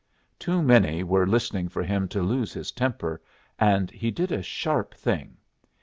Too many were listening for him to lose his temper, and he did a sharp thing.